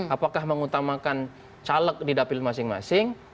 apakah mengutamakan caleg di dapil masing masing